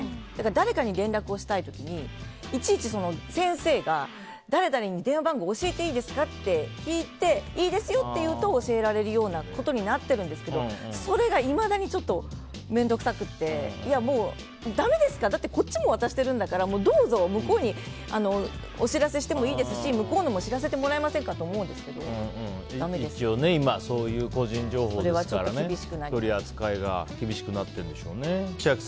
誰かに連絡をしたい時にいちいち先生が誰々に電話番号教えていいですかって聞いていいですよって言うと教えられるようなことになってるんですけどそれがいまだにちょっと面倒くさくってもうだめですかこっちも渡してるんですからどうぞ、向こうにお知らせしてもいいですし向こうのも知らせてもらえませんか一応今、個人情報ですから取り扱いが厳しくなっているんでしょうね。